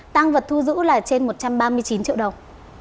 tăng vật thu giữ là trên một trăm ba mươi chín triệu đồng